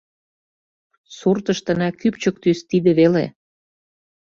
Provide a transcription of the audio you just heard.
Суртыштына кӱпчык тӱс тиде веле.